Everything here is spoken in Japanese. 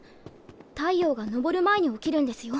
太陽が昇る前に起きるんですよ